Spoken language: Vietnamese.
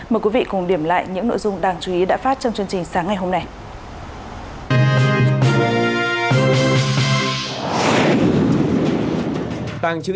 mời quý vị cùng điểm lại những nội dung đáng chú ý đã phát trong chương trình sáng ngày hôm nay